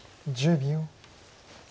１０秒。